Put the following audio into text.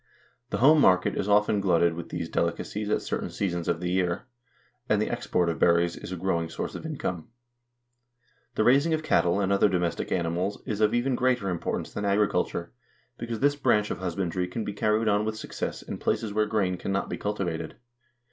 The home market is often glutted with these delicacies at certain seasons of the year, and the export of berries is a growing source of income. The raising of cattle and other domestic animals is of even greater importance than agriculture, because this branch of husbandry can be carried on with success in places where grain cannot be culti vated.